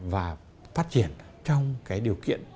và phát triển trong cái điều kiện